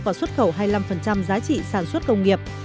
và xuất khẩu hai mươi năm giá trị sản xuất công nghiệp